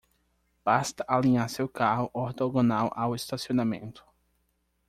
Basta alinhar seu carro ortogonal ao estacionamento.